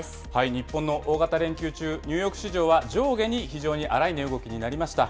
日本の大型連休中、ニューヨーク市場は上下に非常に荒い値動きになりました。